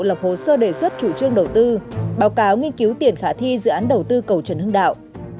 lập hồ sơ đề xuất chủ trương đầu tư báo cáo nghiên cứu tiền khả thi dự án đầu tư cầu trần hưng đạo